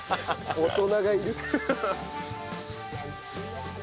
大人がいる。